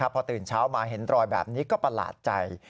พอตื่นเช้ามาเห็นรอยแบบนี้ก็ประหลาดใจ